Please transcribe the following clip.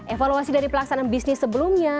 evaluasi dari pelaksanaan bisnis sebelumnya